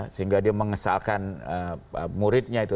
sehingga dia mengesalkan muridnya itu